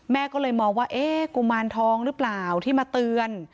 ก็เลยมองว่าเอ๊ะกุมารทองหรือเปล่าที่มาเตือน